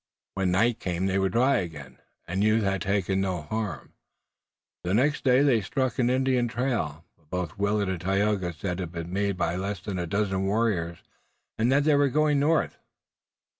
When night came they were dry again, and youth had taken no harm. The next day they struck an Indian trail, but both Willet and Tayoga said it had been made by less than a dozen warriors, and that they were going north.